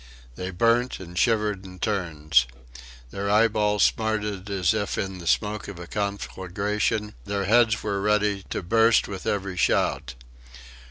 They burnt and shivered in turns. Their eyeballs smarted as if in the smoke of a conflagration; their heads were ready to burst with every shout.